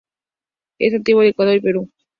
Es nativo de Ecuador y Perú.